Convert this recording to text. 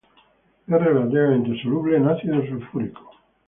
Es relativamente soluble en ácido sulfúrico.